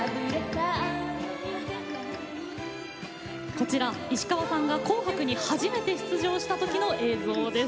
こちら石川さんが「紅白」に初めて出場した時の映像です。